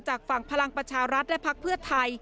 ฝั่งพลังประชารัฐและพักเพื่อไทย